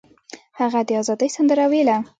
هغه د ازادۍ سندره ویله.